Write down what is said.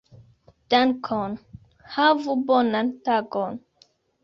Dankon. Havu bonan tagon.